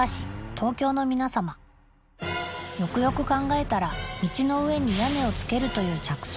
東京の皆様よくよく考えたら道の上に屋根をつけるという着想